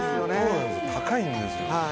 高いんですよ。